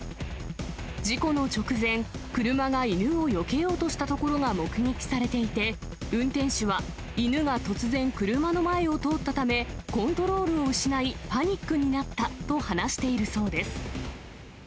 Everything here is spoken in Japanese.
事故の直前、車が犬をよけようとしたところが目撃されていて、運転手は、犬が突然車の前を通ったため、コントロールを失い、パニックになったと話しているそうです。